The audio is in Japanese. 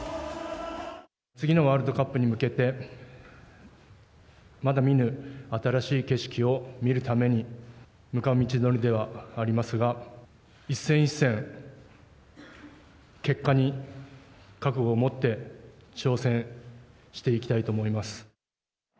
次のワールドカップに向けて、まだ見ぬ新しい景色を見るために、向かう道のりではありますが、一戦一戦、結果に覚悟を持って挑戦していきたいと思います。